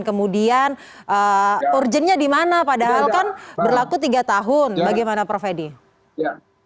kemudian urgentnya di mana padahal kan berlaku tiga tahun bagaimana prof edi